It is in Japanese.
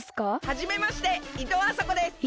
はじめましていとうあさこです。